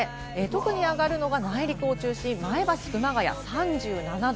特に上がるのが内陸中心、前橋、熊谷３７度。